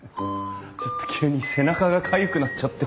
ちょっと急に背中がかゆくなっちゃって。